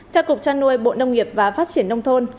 theo cục trăn nuôi bộ nông nghiệp và phát triển nông thôn